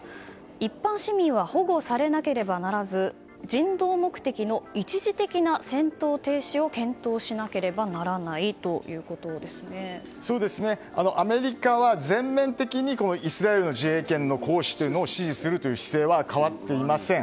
一般市民は保護されなければならず人道目的の一時的な戦闘停止を検討しなければならないアメリカは全面的にイスラエルの自衛権の行使を支持するという姿勢は変わっていません。